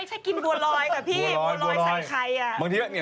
ไม่ใช่กินบัวลอยแต่พี่บัวลอยใส่ไข่